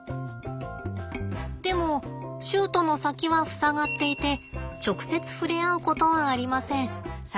でもシュートの先は塞がっていて直接触れ合うことはありません。